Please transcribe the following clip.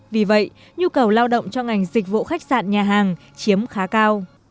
vì vậy nhu cầu lao động cho ngành dịch vụ khách sạn nhà hàng chiếm khá cao